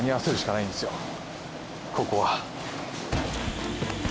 ここは。